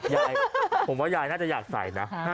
ยายผมว่ายายน่าจะอยากใส่นะ